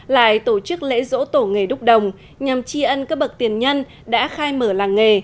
lại tổ chức lễ dỗ tổ nghề đúc đồng nhằm tri ân các bậc tiền nhân đã khai mở làng nghề